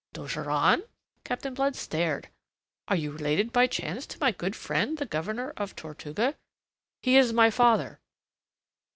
"D'Ogeron?" Captain Blood stared. "Are you related by chance to my good friend the Governor of Tortuga?" "He is my father."